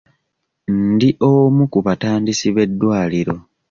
Ndi omu ku batandisi b'eddwaliro.